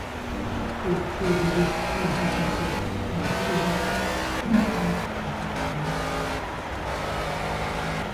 Au pied des vestiges du château, accrochée au rocher, une plaque rappelle son œuvre.